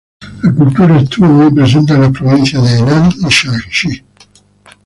La cultura estuvo muy presente en las provincias de Henan y Shanxi.